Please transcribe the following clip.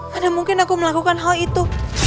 karena mungkin aku melakukan hal itu